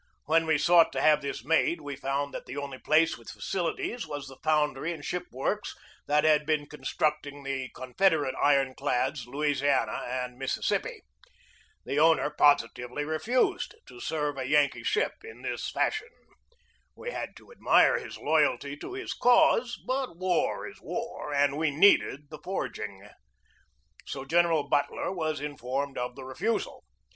When we sought to have this made we found that the only place with facilities was the foundry and ship works that had been constructing the Confederate iron clads Louisiana and Mississippi. The owner positively refused to serve a Yankee ship in this fashion. We had to admire his loyalty to his cause; but war is war and we needed the forging. So General Butler was informed of the refusal.